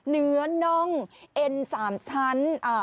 เนื้อน่องเอ็น๓ชั้น